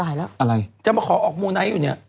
อยู่ไหน